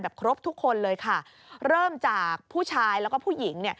ครบทุกคนเลยค่ะเริ่มจากผู้ชายแล้วก็ผู้หญิงเนี่ย